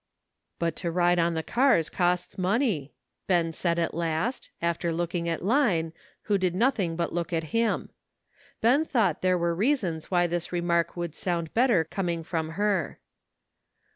"But to ride on the cars costs money," Ben said at last, after looking at Line, who did nothing but look at him. Ben thought there were reasons why this remark would sound better coming from her.